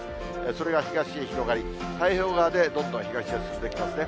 それが東へ広がり、太平洋側でどんどん東へ進んできますね。